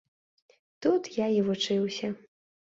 Тут я і вучыўся.